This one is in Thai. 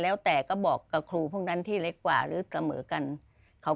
แล้วแต่ก็บอกกับครูพวกนั้นที่เล็กกว่าหรือเสมอกันเขา